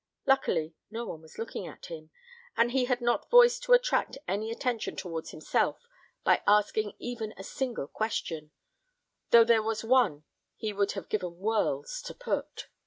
Luckily, no one was looking at him; and he had not voice to attract any attention towards himself by asking even a single question, though there was one he would have given worlds to put.